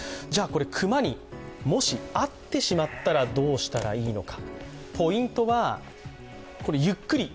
熊にもし会ってしまったらどうしたらいいのか。